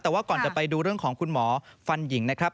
แต่ว่าก่อนจะไปดูเรื่องของคุณหมอฟันหญิงนะครับ